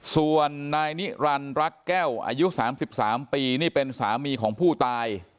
ส่วนนายนิรันดิรักแก้วอายุ๓๓ปีนี่เป็นสามีของผู้ตาย